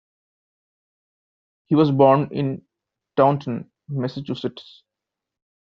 He was born in Taunton, Massachusetts.